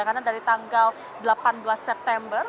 karena dari tanggal delapan belas september